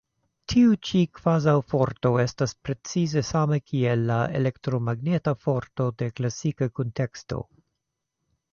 Tiu ĉi kvazaŭ-forto estas precize sama kiel la elektromagneta forto de klasika kunteksto.